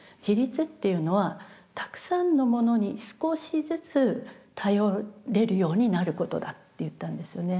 自立っていうのはたくさんのものに少しずつ頼れるようになることだって言ったんですよね。